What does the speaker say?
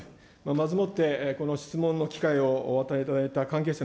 まずもってこの質問の機会をお与えいただいた関係者